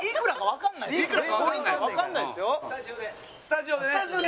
スタジオでね。